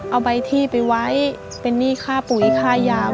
เอาใบที่ไปไว้เป็นหนี้ค่าปุ๋ยค่ายาม